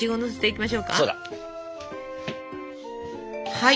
はい。